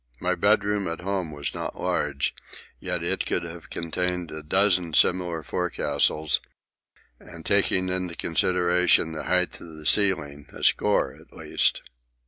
My bedroom at home was not large, yet it could have contained a dozen similar forecastles, and taking into consideration the height of the ceiling, a score at least.